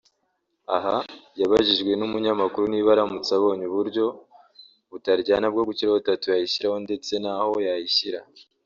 Aha yabajijwe n’umunyamakuru niba aramutse abonye uburyo butaryana bwo gushyiraho Tattoo yayishyiraho ndetse naho yayishyira